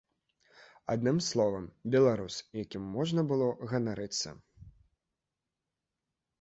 Адным словам, беларус, якім можна было ганарыцца.